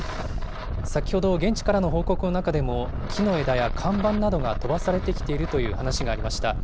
先ほど現地からの報告の中でも、木の枝や看板などが飛ばされてきているという話がありました。